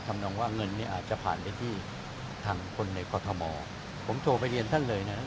ทำนองว่าเงินเนี่ยอาจจะผ่านไปที่ทางคนในกรทมผมโทรไปเรียนท่านเลยนะครับ